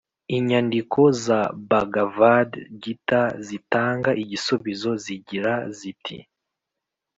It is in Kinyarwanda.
inyandiko za bhagavad gita zitanga igisubizo zigira ziti